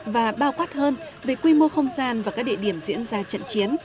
và bao quát hơn về quy mô không gian và các địa điểm diễn ra trận chiến